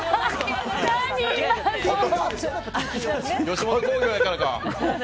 吉本興業やからか！